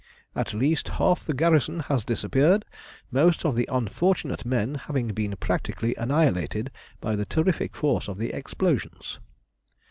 At least half the garrison has disappeared, most of the unfortunate men having been practically annihilated by the terrific force of the explosions.